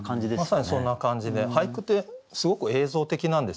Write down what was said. まさにそんな感じで俳句ってすごく映像的なんですよね。